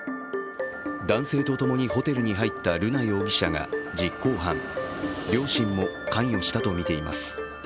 男性とともにホテルに入った瑠奈容疑者が実行犯、両親も関与したとみています。